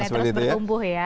betul terus bertumbuh ya